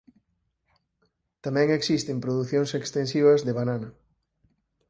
Tamén existen producións extensivas de banana.